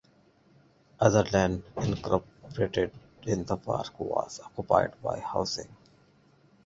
Other land incorporated in the park was occupied by housing.